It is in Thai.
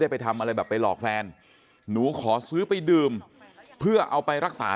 ไปทำอะไรแบบไปหลอกแฟนหนูขอซื้อไปดื่มเพื่อเอาไปรักษา